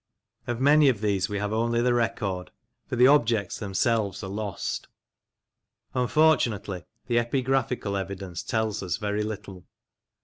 Of many of these we have only the record, for the objects themselves are lost. Unfortunately, the epigraphical evidence tells us very little.